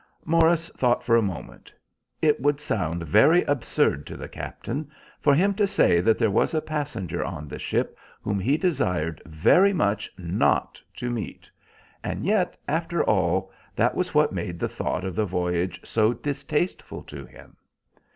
Morris thought for a moment. It would sound very absurd to the captain for him to say that there was a passenger on the ship whom he desired very much not to meet, and yet, after all, that was what made the thought of the voyage so distasteful to him.